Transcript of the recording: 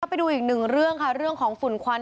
ไปดูอีกหนึ่งเรื่องค่ะเรื่องของฝุ่นควัน